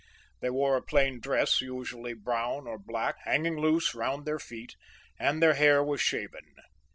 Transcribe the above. They wore a plain dress, usually brown or black, hanging loose round their feet, and their hair was shaven.